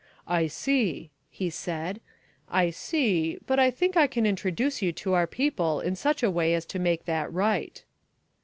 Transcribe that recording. "I see," he said, "I see, but I think that I can introduce you to our people in such a way as to make that right."